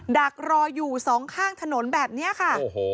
ดักรออยู่สองข้างถนนแบบนี้ค่ะ